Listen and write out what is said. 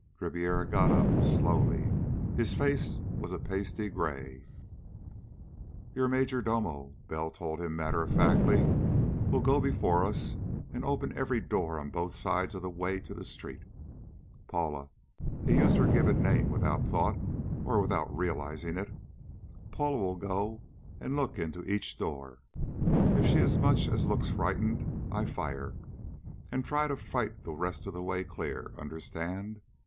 Ribiera got up. Slowly. His face was a pasty gray. "Your major domo," Bell told him matter of factly, "will go before us and open every door on both sides of the way to the street. Paula" he used her given came without thought, or without realizing it "Paula will go and look into each door. If she as much as looks frightened, I fire, and try to fight the rest of the way clear. Understand?